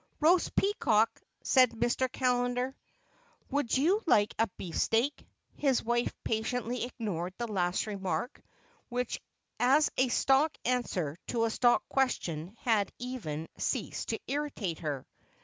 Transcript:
"Roast peacock," said Mr. Callender. "Would you like a beefsteak?" His wife patiently ignored the last remark, which as a stock answer to a stock question had even ceased to irritate her.